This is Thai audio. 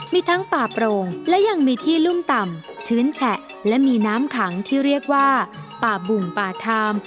มีทั้งป่าโปร่งและยังมีที่รุ่มต่ำชื้นแฉะและมีน้ำขังที่เรียกว่าป่าบุงป่าทาม